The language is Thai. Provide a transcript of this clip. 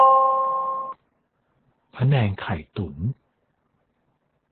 พะแนงไข่ตุ๋น